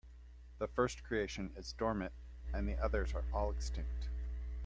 The first creation is dormant and the others are all extinct.